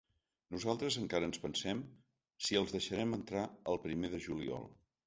Nosaltres encara ens pensem si els deixarem entrar el primer de juliol.